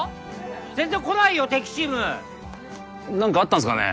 全然来ないよ敵チーム何かあったんですかね